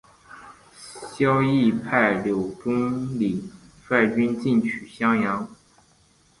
萧绎派柳仲礼率军进取襄阳。